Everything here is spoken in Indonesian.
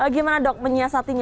gimana dok menyiasatinya